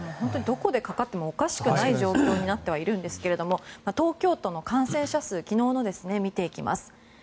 どこでかかってもおかしくない状況になってるんですが東京都の感染者数昨日のを見ていきます。